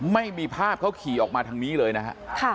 ไม่มีภาพเขาขี่ออกมาทางนี้เลยนะฮะ